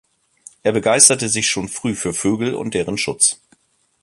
Er begeisterte sich schon früh für Vögel und deren Schutz.